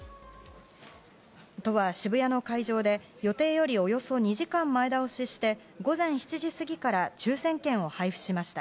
都は、渋谷の会場で予定よりおよそ２時間前倒しして午前７時過ぎから抽選券を配布しました。